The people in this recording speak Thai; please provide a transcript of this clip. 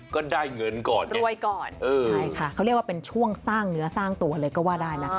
ก็ได้เงินก่อนรวยก่อนเออใช่ค่ะเขาเรียกว่าเป็นช่วงสร้างเนื้อสร้างตัวเลยก็ว่าได้นะ